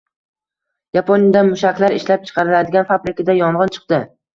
Yaponiyada mushaklar ishlab chiqaradigan fabrikada yong‘in chiqdi